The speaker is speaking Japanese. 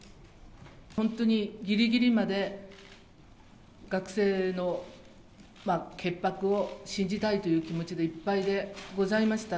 本当にぎりぎりまで、学生の潔白を信じたいという気持ちでいっぱいでございました。